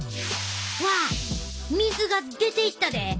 わあ水が出ていったで！